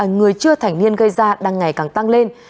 người chưa thành niên gây ra đang ngày càng tăng lên